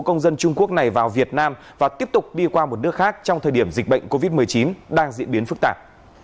công dân trung quốc này vào việt nam và tiếp tục đi qua một nước khác trong thời điểm dịch bệnh covid một mươi chín đang diễn biến phức tạp